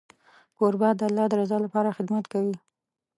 کوربه د الله د رضا لپاره خدمت کوي.